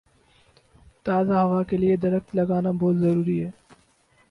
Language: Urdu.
تازہ ہوا کے لیے درخت لگانا بہت ضروری ہے۔